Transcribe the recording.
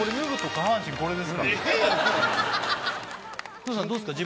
工藤さんどうですか？